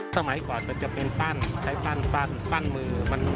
สมัยก่อนมันจะเป็นปั้นใช้ปั้นปั้นมือ